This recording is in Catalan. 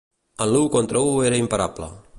En l'u contra un era imparable.